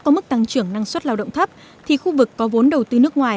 có mức tăng trưởng năng suất lao động thấp thì khu vực có vốn đầu tư nước ngoài